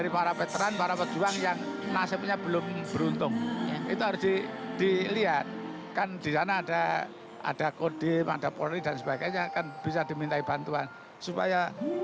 itu pun banyak rangkaiannya